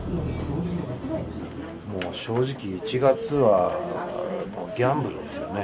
もう正直１月はギャンブルですよね。